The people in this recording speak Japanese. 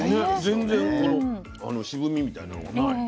全然渋みみたいなのがない。